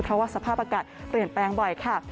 เพราะว่าสภาพอากาศเปลี่ยนแปลงบ่อยค่ะ